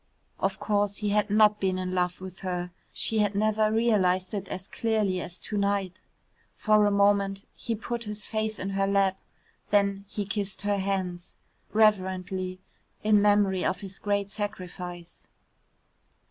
Of course he had not been in love with her. She had never realised it as clearly as to night. For a moment he put his face in her lap, then he kissed her hands reverently, in memory of his great sacrifice.